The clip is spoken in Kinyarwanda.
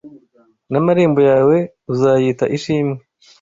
N’amarembo yawe uzayita Ishimwe.”